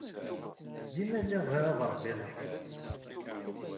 Dima lliɣ bɣiɣ ad ṛebbiɣ ifker.